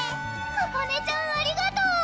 ここねちゃんありがとう！